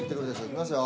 いきますよ！